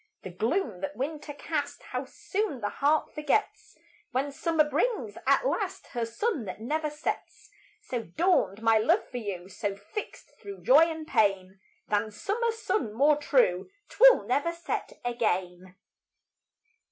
The gloom that winter cast, How soon the heart forgets, When summer brings, at last, Her sun that never sets! So dawned my love for you; So, fixt thro' joy and pain, Than summer sun more true, 'Twill never set again.